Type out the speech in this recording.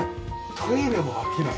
トイレも飽きない。